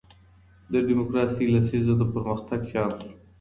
د ډیموکراسۍ لسیزه د پرمختګ چانس و.